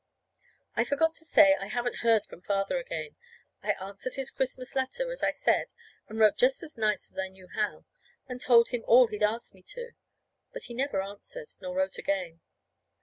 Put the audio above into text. I forgot to say I haven't heard from Father again. I answered his Christmas letter, as I said, and wrote just as nice as I knew how, and told him all he asked me to. But he never answered, nor wrote again.